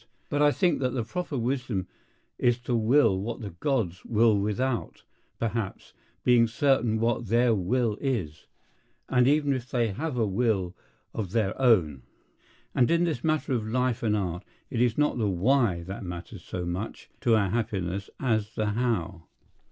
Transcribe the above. But I think that the proper wisdom is to will what the gods will without, perhaps, being certain what their will is—or even if they have a will of their own. And in this matter of life and art it is not the Why that matters so much to our happiness as the How.